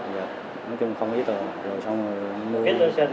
nói chung không có giá tòa rồi xong rồi em mua